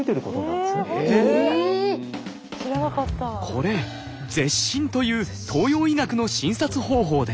これ舌診という東洋医学の診察方法です。